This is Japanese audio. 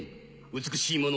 美しいもの